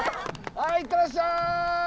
はい行ってらっしゃい！